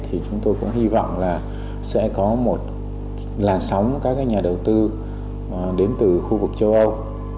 thì chúng tôi cũng hy vọng là sẽ có một làn sóng các nhà đầu tư đến từ khu vực châu âu